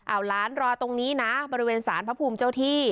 เอาหลานรอตรงนี้นะบริเวณสารพระภูมิเจ้าที่